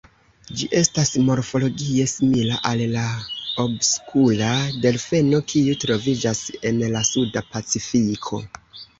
Ĝi estas morfologie simila al la obskura delfeno, kiu troviĝas en la Suda Pacifiko.